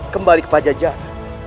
kembali ke pajajaran